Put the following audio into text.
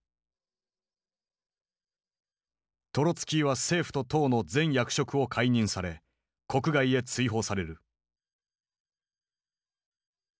トロツキーは政府と党の全役職を解任され国外へ追放される。